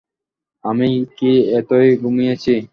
আমি কী এতই ঘুমিয়েছি?